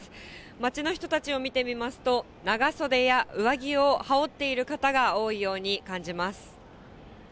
街の人たちを見てみますと、長袖や上着を羽織っている方が多いように感じます。